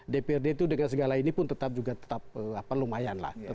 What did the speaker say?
dprd itu dengan segala ini pun tetap juga lumayan